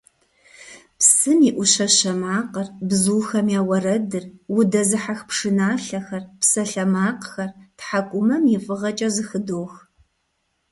Псым и Ӏущащэ макъыр, бзухэм я уэрэдыр, удэзыхьэх пшыналъэхэр, псалъэмакъхэр тхьэкӀумэм и фӀыгъэкӀэ зэхыдох.